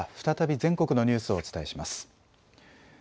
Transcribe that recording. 再び全国のニュースをお伝えします。